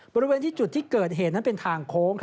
บริเวณที่จุดที่เกิดเหตุนั้นเป็นทางโค้ง